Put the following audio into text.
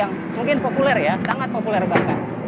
mungkin merk yang populer ya sangat populer bahkan